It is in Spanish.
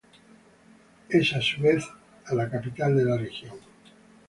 Es a su vez e la capital de la región.